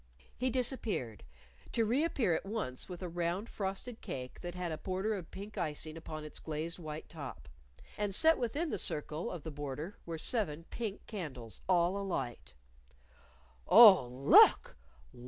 He disappeared to reappear at once with a round frosted cake that had a border of pink icing upon its glazed white top. And set within the circle of the border were seven pink candles, all alight. "Oh, look!